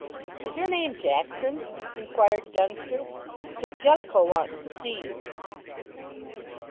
"Is your name Jackson?" inquired Dunster, "because Jellicoe wants to see you."